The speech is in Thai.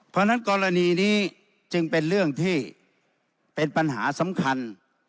เพราะฉะนั้นกรณีนี้จึงเป็นเรื่องที่เป็นปัญหาสำคัญ